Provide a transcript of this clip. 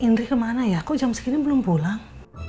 indri kemana ya kok jam segini belum pulang